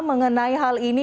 mengenai hal ini